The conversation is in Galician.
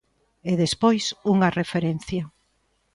E despois, unha referencia.